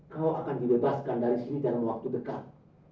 kau akan dibebaskan dari semi dalam waktu dekat